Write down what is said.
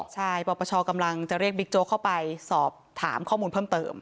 ใช่ปปชกำลังจะเรียกบิ๊กโจ๊กเข้าไปสอบถามข้อมูลเพิ่มเติม